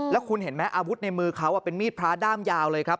แล้วคุณเห็นไหมอาวุธในมือเขาเป็นมีดพระด้ามยาวเลยครับ